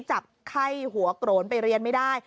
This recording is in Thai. จับไข้หัวโกรนไปเรียนไม่ได้